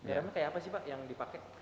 garamnya kayak apa sih pak yang dipakai